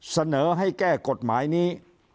เสนอให้แก้กฎหมายนี้